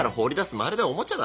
まるでおもちゃだ。